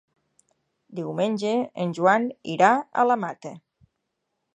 Diumenge en Joan irà a la Mata.